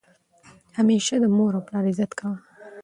همیشه د مور او پلار عزت کوه!